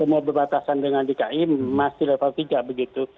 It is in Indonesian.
tetap dipertahankan dengan dki masih level tiga begitu